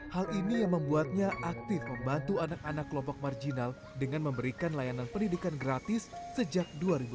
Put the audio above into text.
hal ini yang membuatnya aktif membantu anak anak kelompok marginal dengan memberikan layanan pendidikan gratis sejak dua ribu sembilan belas